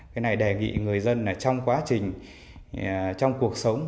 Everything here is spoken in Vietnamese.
cái này đề nghị người dân trong quá trình trong cuộc sống